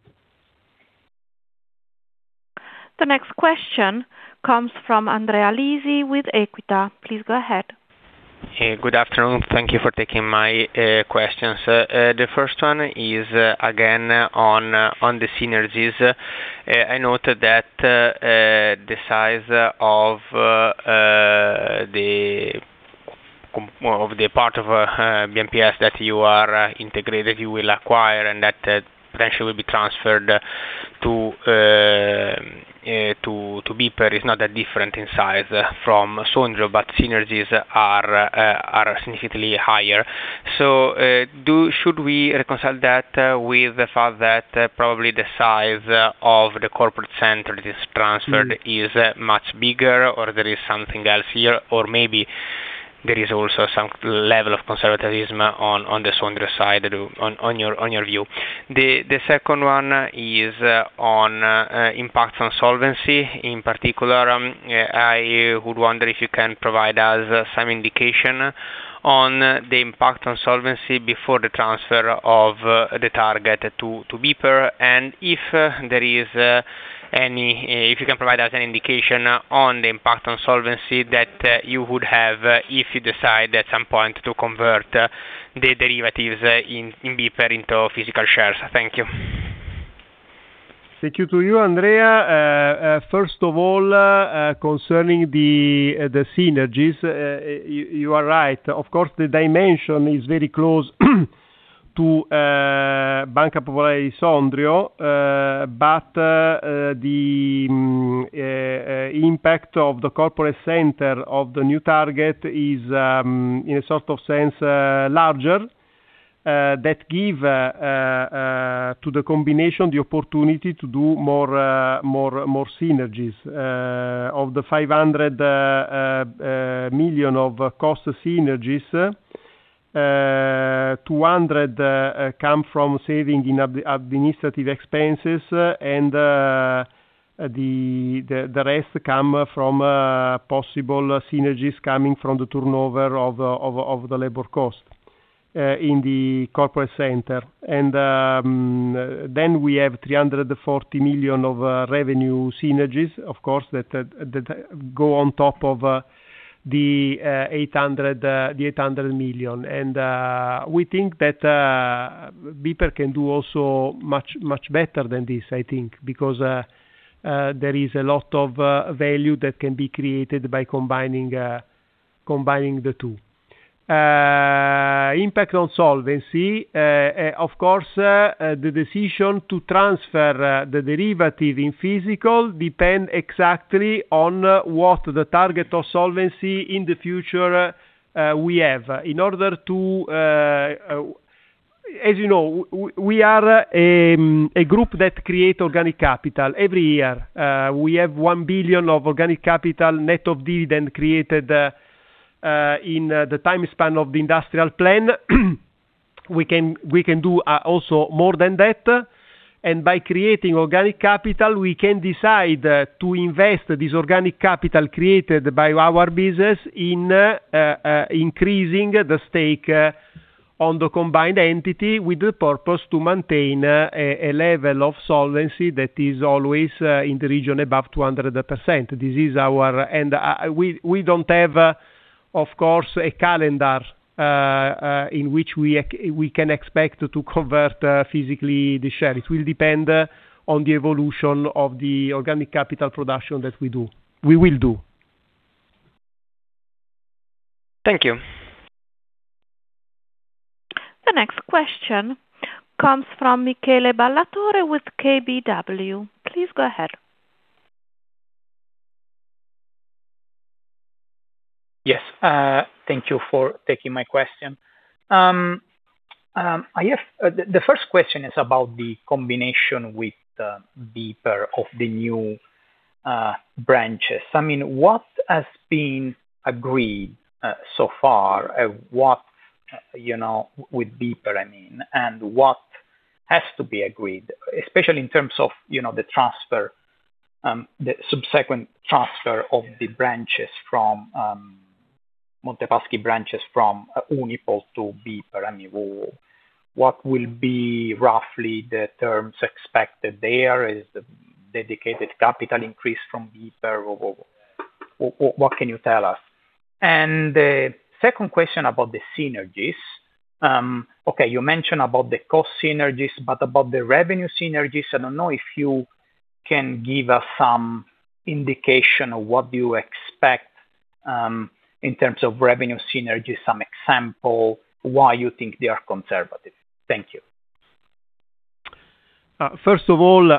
[SPEAKER 1] The next question comes from Andrea Lisi with Equita. Please go ahead.
[SPEAKER 6] Good afternoon. Thank you for taking my questions. The first one is again on the synergies. I noted that the size of the part of BMPS that you are integrated, you will acquire and that potentially will be transferred to BPER is not that different in size from Sondrio, but synergies are significantly higher. Should we reconcile that with the fact that probably the size of the corporate center that is transferred is much bigger, or there is something else here, or maybe there is also some level of conservatism on the Sondrio side on your view. The second one is on impact on solvency. In particular, I would wonder if you can provide us some indication on the impact on solvency before the transfer of the target to BPER, and if you can provide us an indication on the impact on solvency that you would have if you decided at some point to convert the derivatives in BPER into physical shares. Thank you.
[SPEAKER 2] Thank you to you, Andrea. First of all, concerning the synergies, you are right. Of course, the dimension is very close to Banca Popolare di Sondrio, but the impact of the corporate center of the new target is, in a sort of sense, larger. That gives to the combination the opportunity to do more synergies. Of the 500 million of cost synergies, 200 million come from saving in administrative expenses, and the rest come from possible synergies coming from the turnover of the labor cost in the corporate center. Then we have 340 million of revenue synergies, of course, that go on top of the 800 million. We think that BPER can do also much better than this, I think, because there is a lot of value that can be created by combining the two. Impact on solvency. Of course, the decision to transfer the derivative in physical depends exactly on what the target of solvency in the future we have. As you know, we are a group that creates organic capital every year. We have 1 billion of organic capital net of dividend created in the time span of the industrial plan. We can do also more than that. By creating organic capital, we can decide to invest this organic capital created by our business in increasing the stake on the combined entity with the purpose to maintain a level of solvency that is always in the region above 200%. We don't have, of course, a calendar in which we can expect to convert physically the share. It will depend on the evolution of the organic capital production that we will do.
[SPEAKER 6] Thank you.
[SPEAKER 1] The next question comes from Michele Ballatore with KBW. Please go ahead.
[SPEAKER 7] Yes. Thank you for taking my question. The first question is about the combination with BPER of the new branches. What has been agreed so far, with BPER, I mean, what has to be agreed, especially in terms of the subsequent transfer of the Monte Paschi branches from Unipol to BPER? I mean, what will be roughly the terms expected there? Is the dedicated capital increase from BPER? What can you tell us? The second question about the synergies. You mentioned about the cost synergies, about the revenue synergies, I don't know if you can give us some indication of what you expect in terms of revenue synergies, some examples why you think they are conservative. Thank you.
[SPEAKER 2] First of all,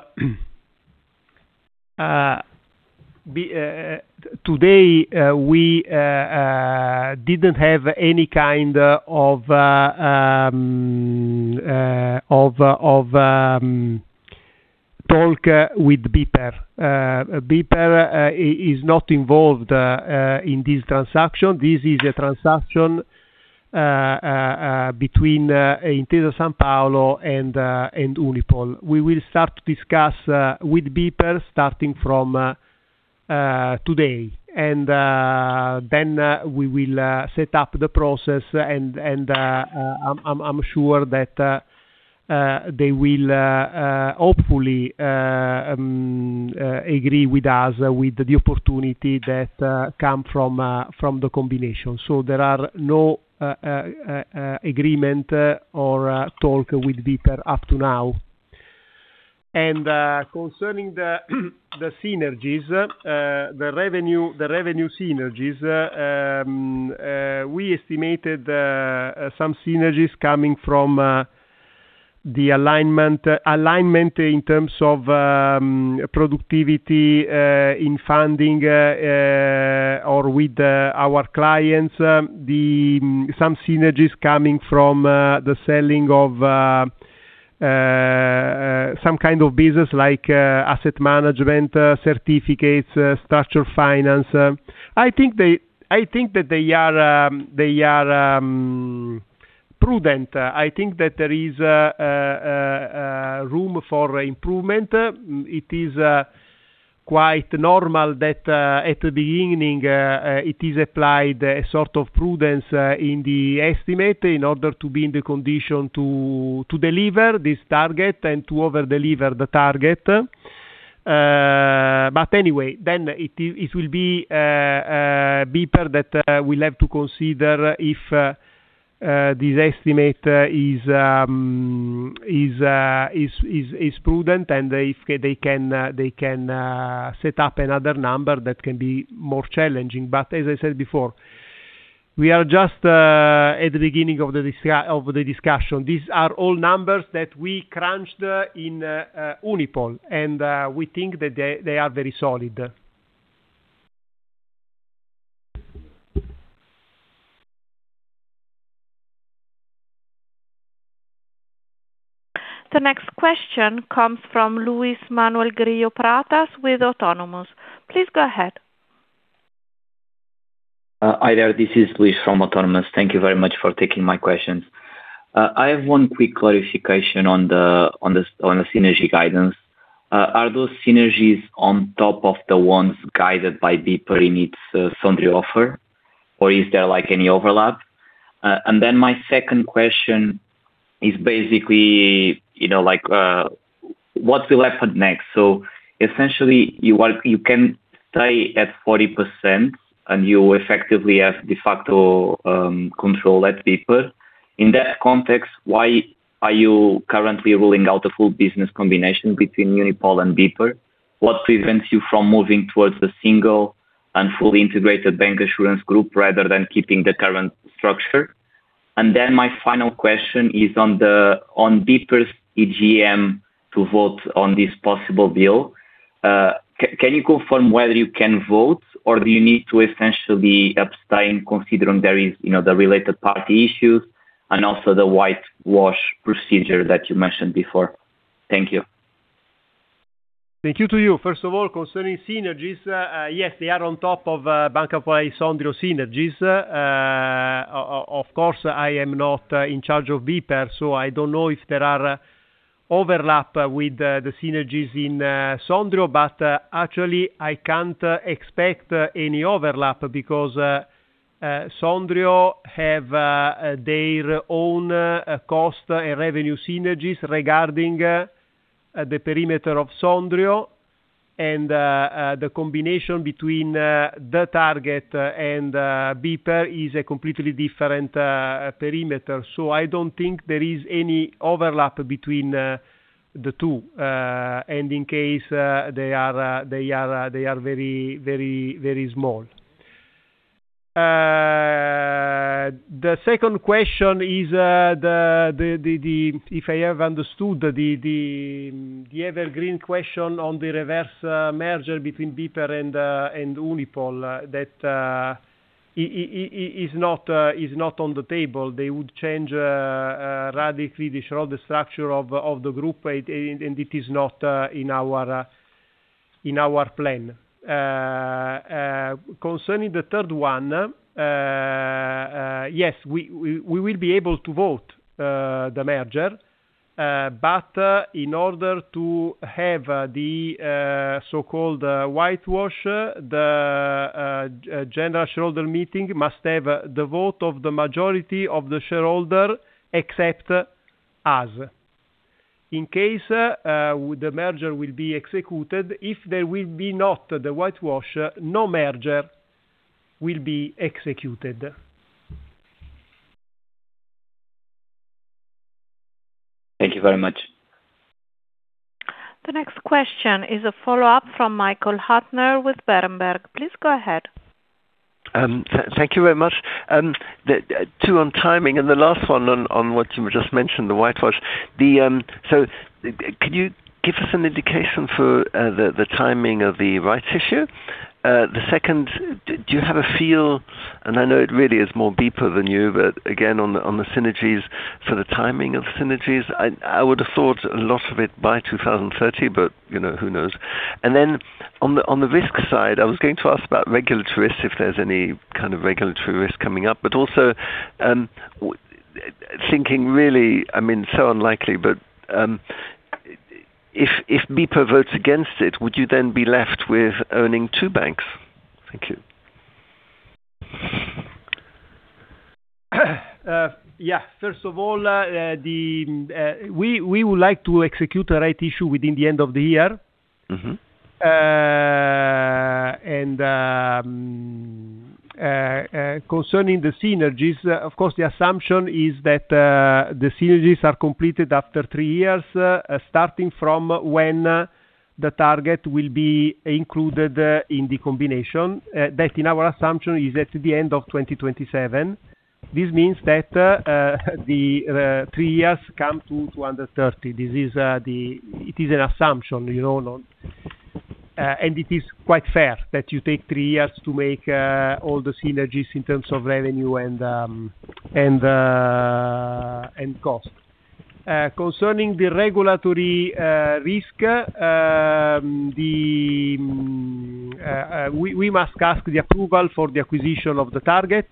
[SPEAKER 2] today we didn't have any kind of talk with BPER. BPER is not involved in this transaction. This is a transaction between Intesa Sanpaolo and Unipol. We will start to discuss with BPER starting from today. We will set up the process. I'm sure that they will hopefully agree with us with the opportunity that come from the combination. There is no agreement or talk with BPER up to now. Concerning the synergies, the revenue synergies, we estimated some synergies coming from the alignment in terms of productivity in funding or with our clients, some synergies coming from the selling of some kind of business-like asset management, certificates, structured finance. I think that they are prudent. I think that there is room for improvement. It is quite normal that at the beginning it is applied a sort of prudence in the estimate in order to be in the condition to deliver this target and to over-deliver the target. It will be BPER that will have to consider if this estimate is prudent, if they can set up another number that can be more challenging. As I said before, we are just at the beginning of the discussion. These are all numbers that we crunched in Unipol. We think that they are very solid.
[SPEAKER 1] The next question comes from Luis Manuel Grillo Pratas with Autonomous. Please go ahead.
[SPEAKER 8] Hi there. This is Luis from Autonomous. Thank you very much for taking my questions. I have one quick clarification on the synergy guidance. Are those synergies on top of the ones guided by BPER in its Sondrio offer, or is there any overlap? My second question is basically, what will happen next? Essentially, you can stay at 40% and you effectively have de facto control at BPER. In that context, why are you currently ruling out a full business combination between Unipol and BPER? What prevents you from moving towards a single and fully integrated bank insurance group rather than keeping the current structure? My final question is on BPER's EGM to vote on this possible bill. Can you confirm whether you can vote or do you need to essentially abstain considering there is the related party issues and also the whitewash procedure that you mentioned before? Thank you.
[SPEAKER 2] Thank you to you. First of all, concerning synergies, yes, they are on top of Banca Popolare di Sondrio synergies. Of course, I am not in charge of BPER, so I don't know if there are overlap with the synergies in Sondrio. Actually, I can't expect any overlap because Sondrio have their own cost and revenue synergies regarding the perimeter of Sondrio. The combination between the target and BPER is a completely different perimeter. I don't think there is any overlap between the two. In case, they are very small. The second question is, if I have understood, the evergreen question on the reverse merger between BPER and Unipol that is not on the table. They would change radically the shareholder structure of the group. It is not in our plan. Concerning the third one, yes, we will be able to vote the merger. In order to have the so-called whitewash, the general shareholder meeting must have the vote of the majority of the shareholder except us. In case the merger will be executed, if there will be not the whitewash, no merger will be executed.
[SPEAKER 8] Thank you very much.
[SPEAKER 1] The next question is a follow-up from Michael Huttner with Berenberg. Please go ahead.
[SPEAKER 4] Thank you very much. Two on timing, and the last one on what you just mentioned, the whitewash. Can you give us an indication for the timing of the rights issue? The second, do you have a feel, and I know it really is more BPER than you, but again, on the synergies for the timing of synergies, I would have thought a lot of it by 2030. Who knows. On the risk side, I was going to ask about regulatory risk, if there's any kind of regulatory risk coming up, but also thinking really, so unlikely, but if BPER votes against it, would you then be left with owning two banks? Thank you.
[SPEAKER 2] Yeah. First of all, we would like to execute a rights issue within the end of the year. Concerning the synergies, of course, the assumption is that the synergies are completed after three years, starting from when the target will be included in the combination. That, in our assumption, is at the end of 2027. This means that the three years come to 2030. It is an assumption. It is quite fair that you take three years to make all the synergies in terms of revenue and cost. Concerning the regulatory risk, we must ask the approval for the acquisition of the target.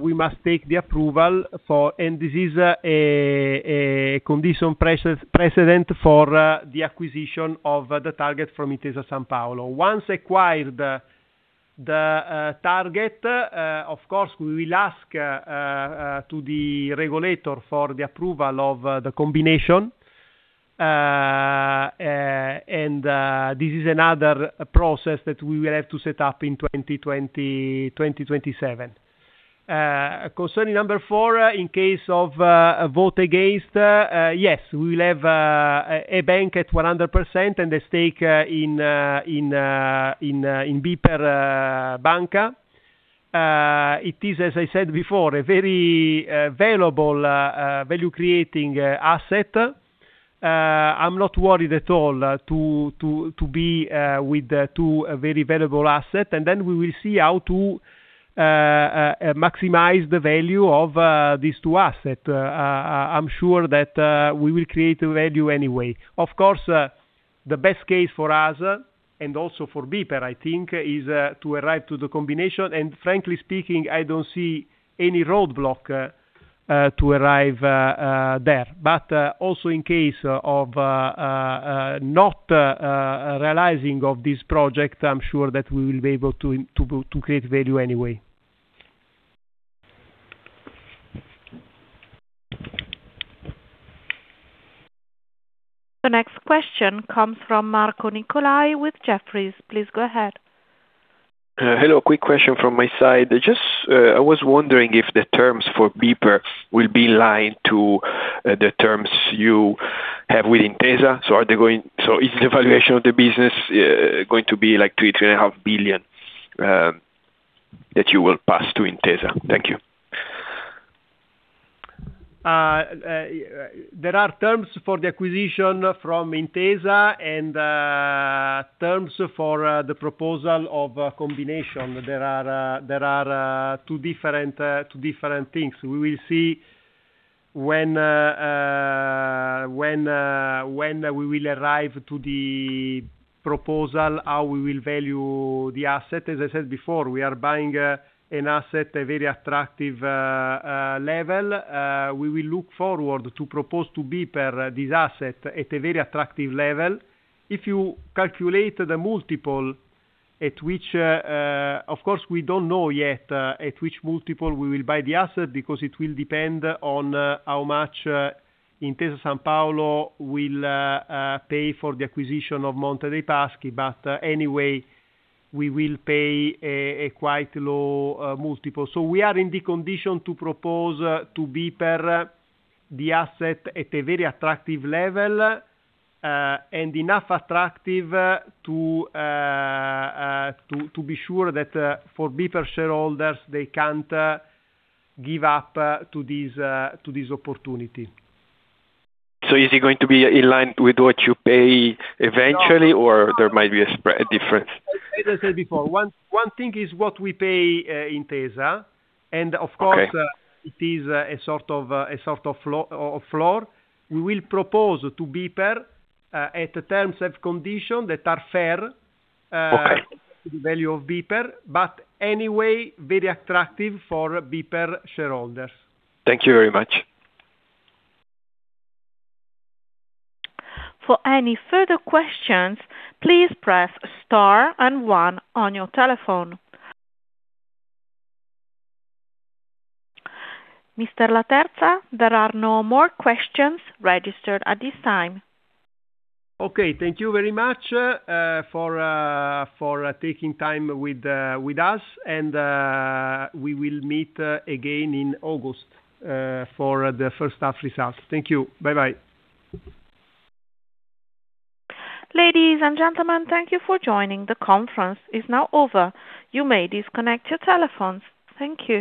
[SPEAKER 2] We must take the approval for, and this is a condition precedent for the acquisition of the target from Intesa Sanpaolo. Once acquired the target, of course, we will ask to the regulator for the approval of the combination. This is another process that we will have to set up in 2027. Concerning number four, in case of a vote against, yes, we will have a bank at 100% and a stake in BPER Banca. It is, as I said before, a very valuable value-creating asset. I'm not worried at all to be with two very valuable asset, then we will see how to maximize the value of these two assets. I'm sure that we will create value anyway. Of course, the best case for us, also for BPER, I think, is to arrive to the combination. Frankly speaking, I don't see any roadblock to arrive there. In case of not realizing of this project, I'm sure that we will be able to create value anyway.
[SPEAKER 1] The next question comes from Marco Nicolai with Jefferies. Please go ahead.
[SPEAKER 9] Hello, quick question from my side. Just, I was wondering if the terms for BPER will be in line to the terms you have with Intesa. Is the valuation of the business going to be like EUR three, three and a half billion that you will pass to Intesa? Thank you.
[SPEAKER 2] There are terms for the acquisition from Intesa and terms for the proposal of a combination. There are two different things. We will see when we will arrive to the proposal, how we will value the asset. As I said before, we are buying an asset at a very attractive level. We will look forward to proposing to BPER this asset at a very attractive level. If you calculate the multiple at which Of course, we don't know yet at which multiple we will buy the asset because it will depend on how much Intesa Sanpaolo will pay for the acquisition of Monte dei Paschi, but anyway, we will pay a quite low multiple. We are in the condition to propose to BPER the asset at a very attractive level, and enough attractive to be sure that for BPER shareholders, they can't give up to this opportunity.
[SPEAKER 9] Is it going to be in line with what you pay eventually, or there might be a difference?
[SPEAKER 2] As I said before, one thing is what we pay Intesa.
[SPEAKER 9] Okay.
[SPEAKER 2] Of course, it is a sort of floor. We will propose to BPER at terms and conditions that are fair to the value of BPER, anyway, very attractive for BPER shareholders.
[SPEAKER 9] Thank you very much.
[SPEAKER 1] For any further questions, please press Star and One on your telephone. Mr. Laterza, there are no more questions registered at this time.
[SPEAKER 2] Okay. Thank you very much for taking time with us. We will meet again in August for the first half results. Thank you. Bye-bye.
[SPEAKER 1] Ladies and gentlemen, thank you for joining. The conference is now over. You may disconnect your telephones. Thank you.